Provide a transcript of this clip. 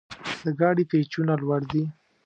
د ګاډي پېچونه لوړ دي.